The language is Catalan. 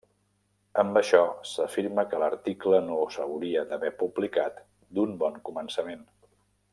Amb això s'afirma que l'article no s'hauria d'haver publicat d'un bon començament.